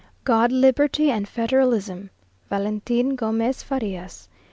"God, Liberty, and Federalism. "VALENTIN GOMEZ FARIAS."